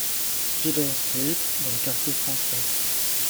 Peter Street dans le quartier français.